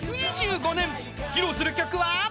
［披露する曲は］